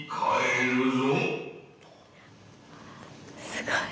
すごい。